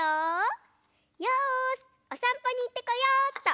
よしおさんぽにいってこようっと。